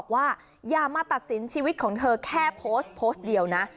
ว่าอย่ามาตัดสินชีวิตของเธอแค่โพสต์โพสต์เดียวนะ